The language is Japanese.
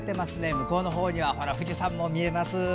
向こうのほうには富士山も見えます。